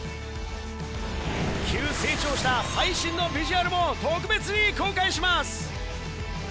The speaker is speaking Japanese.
急成長した最新のビジュアルも特別に公開します。